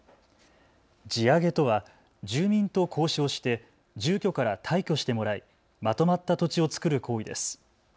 地上げとは住民と交渉して住居から退去してもらいまとまった土地を作る行為です。